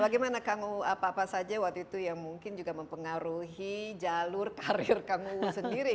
bagaimana kang uu apa apa saja waktu itu yang mungkin juga mempengaruhi jalur karir kamu sendiri